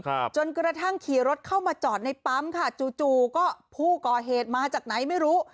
จนกระทั่งขี่รถเข้ามาจอดในปั๊มค่ะจู่จู่ก็ผู้ก่อเหตุมาจากไหนไม่รู้